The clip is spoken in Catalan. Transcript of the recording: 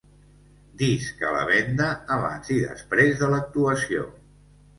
Disc a la venda abans i després de l'actuació.